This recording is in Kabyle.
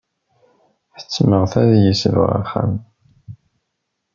Ḥettmeɣ-t ad yesbeɣ axxam.